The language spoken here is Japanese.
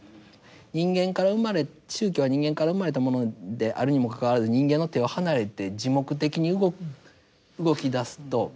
人間から生まれ宗教は人間から生まれたものであるにもかかわらず人間の手を離れて自目的に動きだすともうコントロール不能といいますか。